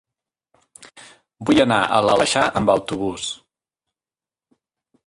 Vull anar a l'Aleixar amb autobús.